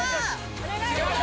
お願いします